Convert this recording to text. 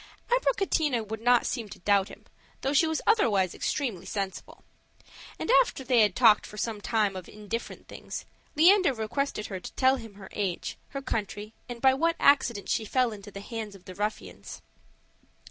Abricotina would not seem to doubt him, though she was otherwise extremely sensible. And after they had talked for some time of indifferent things, Leander requested her to tell him her age, her country, and by what accident she fell into the hands of the ruffians.